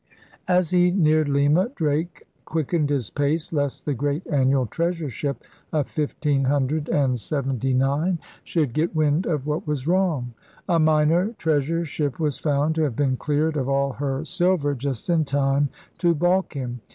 As he neared Lima, Drake quickened his pace lest the great annual treasure ship of 1579 should get wind of what was wrong. A minor treasure ship was found to have been cleared of all her silver just in time to balk him.